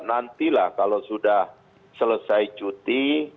nantilah kalau sudah selesai cuti